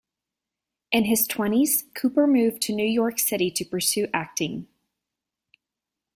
In his twenties, Cooper moved to New York City to pursue acting.